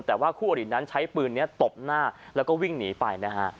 แต่ว่าคู่อรินั้นใช้ปืนนี้ตบหน้าแล้วก็วิ่งหนีไปนะฮะ